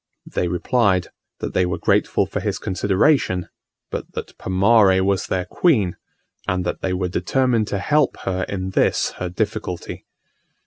They replied, that they were grateful for his consideration, but that Pomarre was their Queen, and that they were determined to help her in this her difficulty.